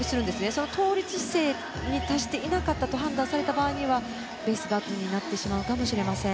その倒立姿勢に達していなかったと判断された場合ベースマークになってしまうかもしれません。